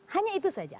hanya itu saja